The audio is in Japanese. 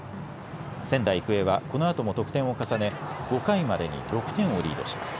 仙台育英はこのあとも得点を重ね５回までに６点をリードします。